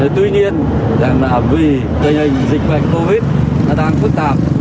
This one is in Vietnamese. tuy nhiên vì tình hình dịch bệnh covid đang phức tạp